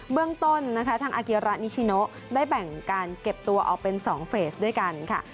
เรื่องต้นนะคะทางอาเกียระนิชิโนได้แบ่งการเก็บตัวออกเป็น๒เฟสด้วยกันค่ะ